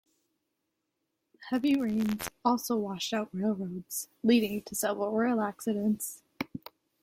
The heavy rains also washed out railroads, leading to several rail accidents.